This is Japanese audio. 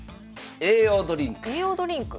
「栄養ドリンク」。